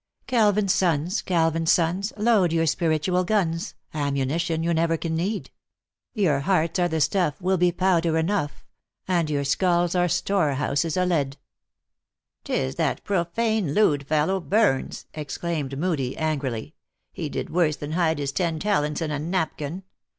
199 Calvin s sons, Calvin s sons, load your spiritual guns, Ammunition you never can need ; Your hearts are the stuff, will be powder enough, And your skulls are store houses o lead. "" Tis that profane, lewd fellow, Burns," exclaimed Moodie, angrily. " He did worse than hide his ten talents in a napkin.